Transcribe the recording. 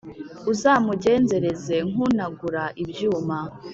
Uzamugenzereze nk’unagura ibyuma,